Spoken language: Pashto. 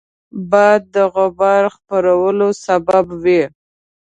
باد د غبار خپرولو سبب وي